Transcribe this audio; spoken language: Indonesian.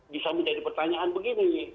bisa menjadi pertanyaan begini